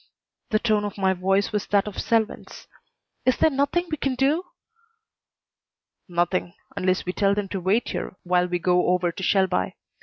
The tone of my voice was that of Selwyn's. "Is there nothing we can do?" "Nothing unless we tell them to wait here while we go over to Shelby.